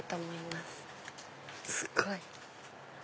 すっごい！